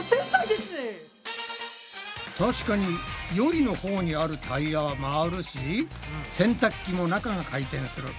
確かに「よい」のほうにあるタイヤは回るし洗たく機も中が回転する。